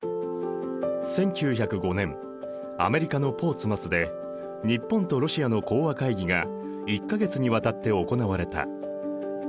１９０５年アメリカのポーツマスで日本とロシアの講和会議が１か月にわたって行われた。